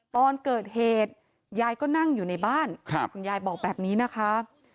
ตอนเกิดเหตุยายก็นั่งอยู่ในบ้านคุณยายบอกแบบนี้นะคะ